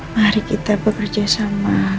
mari kita bekerja sama